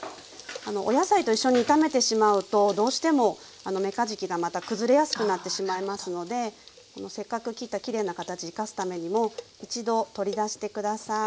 お野菜と一緒に炒めてしまうとどうしてもめかじきがまた崩れやすくなってしまいますのでせっかく切ったきれいな形生かすためにも一度取り出して下さい。